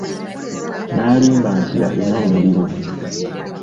N'alimba nti alina omuliro.